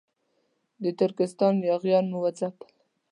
د ترکستان یاغیان مو وځپل.